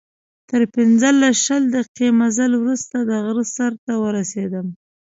تر پنځلس، شل دقیقې مزل وروسته د غره سر ته ورسېدم.